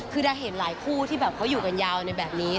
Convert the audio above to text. คือเราเห็นหลายคู่ที่แบบเขาอยู่กันยาวในแบบนี้